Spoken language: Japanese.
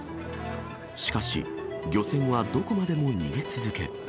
しかし、漁船はどこまでも逃げ続け。